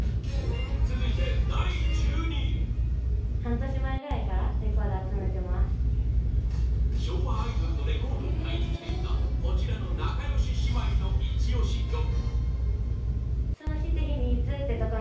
続いて第１２位昭和アイドルのレコードを買いに来ていたこちらの仲良し姉妹のイチ押し曲